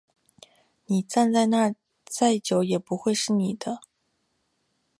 你站在那再久也不会是你的